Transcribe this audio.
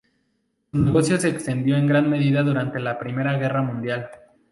Su negocio se expandió en gran medida durante la Primera Guerra Mundial.